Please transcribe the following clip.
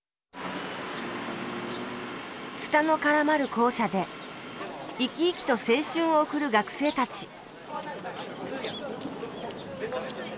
ツタの絡まる校舎で生き生きと青春を送る学生たち